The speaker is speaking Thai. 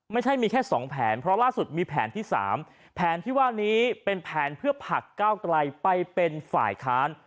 ไม่ใช่มีแค่๒แผนเพราะล่าสุดมีแผนที่๓แผนที่ว่านี้เป็นแผนเพื่อผลักก้าวไกลไปเป็นฝ่ายค้าน